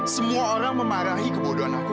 semua orang memarahi kebodohan aku